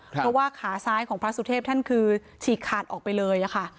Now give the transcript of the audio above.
เพราะว่าขาซ้ายของพระสุเทพท่านคือฉีกขาดออกไปเลยค่ะ